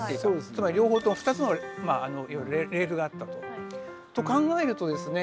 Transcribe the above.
つまり両方とも２つのレールがあったと。と考えるとですね